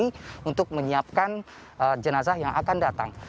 ini untuk menyiapkan jenazah yang akan datang